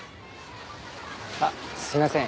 あっすいません。